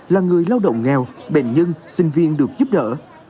là người lao động nghèo bệnh nhân sinh viên được giúp đỡ